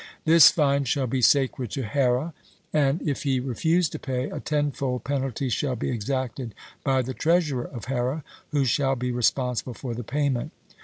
This fine shall be sacred to Here; and if he refuse to pay, a tenfold penalty shall be exacted by the treasurer of Here, who shall be responsible for the payment.